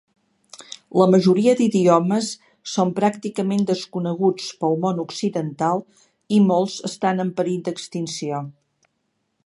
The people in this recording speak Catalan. La majoria d'idiomes són pràcticament desconeguts pel món occidental i molts estan en perill d'extinció.